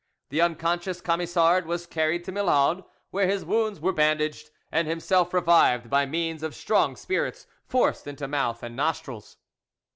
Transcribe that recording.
The unconscious Camisard was carried to Milhaud, where his wounds were bandaged, and himself revived by means of strong spirits forced into mouth and nostrils.